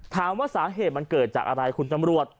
ถามว่าสาเหตุมันเกิดจากอะไรคุณตำรวจ